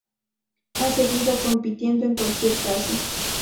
Ha seguido compitiendo en cualquier caso.